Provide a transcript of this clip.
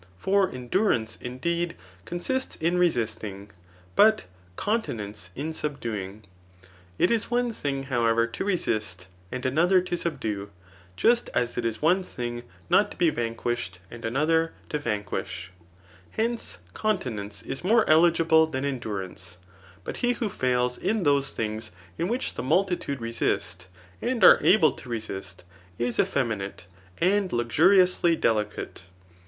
For endurance, indeed, consists in resisting, but conti nence in subduing. It is one thing, however, to resist, and another to subdue, just as it is one thing not to be Digitized by Google S66 ^ THE NICOMACHEAN BOOK VII* vanquished^ and another to vanquish. Hence^ amti« nence is more eligible than endurance. But he who fails in those things in which the multitude resist, and are able to resist, is effeminate and luxuriously delicate.